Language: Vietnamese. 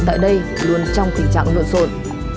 tại đây luôn trong tình trạng lộn sột